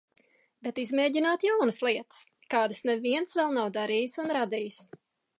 Bet izmēģināt jaunas lietas, kādas neviens vēl nav darījis un radījis.